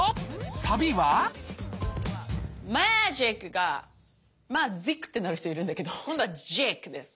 サビはマージックがマジックってなる人いるんだけど今度はジックです。